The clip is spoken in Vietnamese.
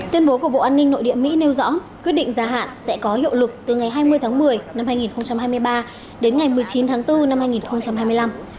tuyên bố của bộ an ninh nội địa mỹ nêu rõ quyết định gia hạn sẽ có hiệu lực từ ngày hai mươi tháng một mươi năm hai nghìn hai mươi ba đến ngày một mươi chín tháng bốn năm hai nghìn hai mươi năm